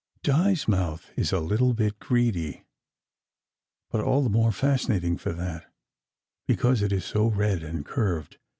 Di s mouth is large, and a tiny bit greedy, but all the more fascinating for that, because it is so red and curved.